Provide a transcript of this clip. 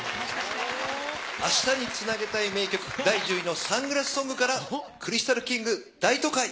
明日につなげたい名曲第１０位のサングラスソングから、クリスタルキング、大都会。